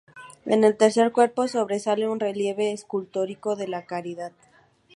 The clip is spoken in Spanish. En el tercer cuerpo sobresale un relieve escultórico de la Caridad.